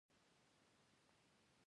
دا فلسفه د روحاني بدلون نښه ګڼل کیده.